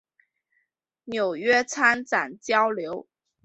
纽约参展交流